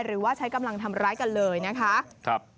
หรือว่าใช้กำลังทำร้ายกันเลยนะคะ